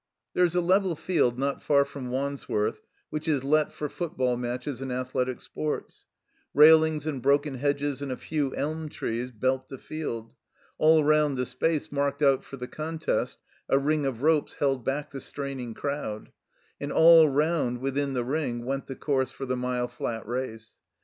There is a level field not far from Wandsworth which is let for football matches and athletic six>rts. Railings and broken hedges and a few elm trees belt the field. All round the space marked out for the contest, a ring of ropes held back the straining crowd; and all round, within the ring, went the course for the mile flat race.